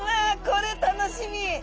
これ楽しみ！